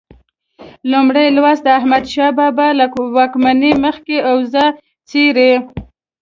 لومړی لوست د احمدشاه بابا له واکمنۍ مخکې اوضاع څېړي.